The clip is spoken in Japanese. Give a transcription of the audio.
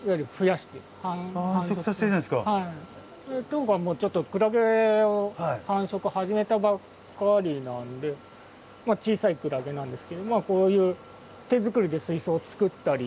当館もちょっとクラゲを繁殖始めたばっかりなんでまあ小さいクラゲなんですけどこういう手作りで水槽作ったり。